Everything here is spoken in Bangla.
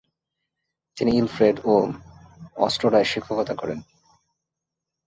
তিনি ইলফ্রেড ও ওস্ট্রোডায় শিক্ষকতা করেন।